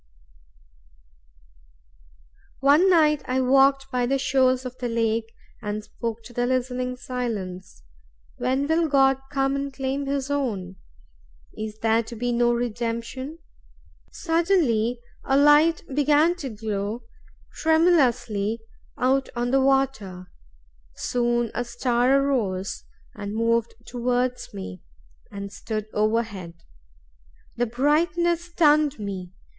"One night I walked by the shores of the lake, and spoke to the listening silence, 'When will God come and claim his own? Is there to be no redemption?' Suddenly a light began to glow tremulously out on the water; soon a star arose, and moved towards me, and stood overhead. The brightness stunned me.